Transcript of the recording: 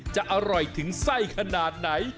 จะอร่อยถึงไส้ขนาดไหน